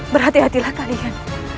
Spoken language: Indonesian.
berhati hatilah kalian